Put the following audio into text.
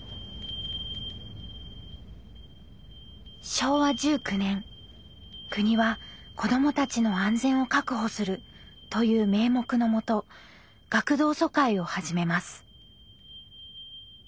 昭和１９年国は「子どもたちの安全を確保する」という名目のもと学童疎開を始めます。